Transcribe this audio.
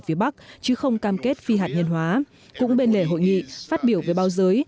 phía bắc chứ không cam kết phi hạt nhân hóa cũng bên lề hội nghị phát biểu về báo giới